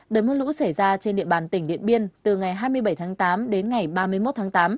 đợt mưa lũ xảy ra trên địa bàn tỉnh điện biên từ ngày hai mươi bảy tháng tám đến ngày ba mươi một tháng tám